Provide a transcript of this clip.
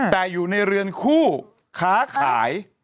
แต่อยู่ในเรือนคู่ค้าขาย